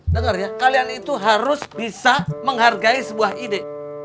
dengar ya kalian itu harus bisa menghargai sebuah ide